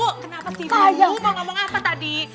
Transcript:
kenapa sih bu mau ngomong apa tadi